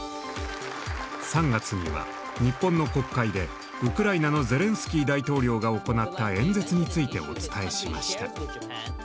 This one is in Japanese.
３月には日本の国会でウクライナのゼレンスキー大統領が行った演説についてお伝えしました。